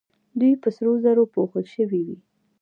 دوی په سرو زرو پوښل شوې وې